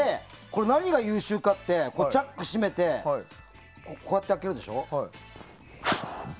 何が優秀かってチャックを閉めてこうやって開けるでしょ。